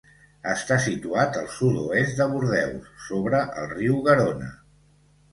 Està situat al Sud-oest de Bordeus, sobre el riu Garona.